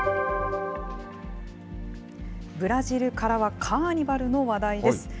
ブラジルからは、カーニバルの話題です。